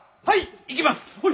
はい行きます！